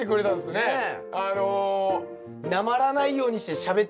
ねえ。